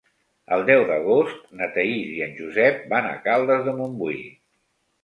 El deu d'agost na Thaís i en Josep van a Caldes de Montbui.